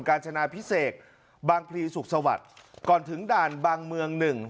การจนาพิเศษบางพลีสุขสวัสดิ์ก่อนถึงด่านบางเมืองหนึ่ง